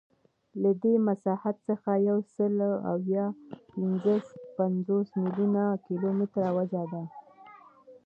له دې مساحت څخه یوسلاوهپینځهپنځوس میلیونه کیلومتره وچه ده.